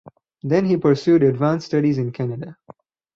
Then he pursued advanced studies in Canada.